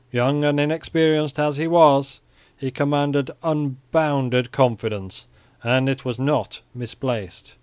Young and inexperienced as he was, he commanded unbounded confidence, and it was not misplaced.